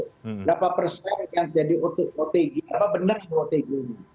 berapa persen yang jadi otg apa benar yang otg ini